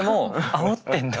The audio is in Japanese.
あおってんの？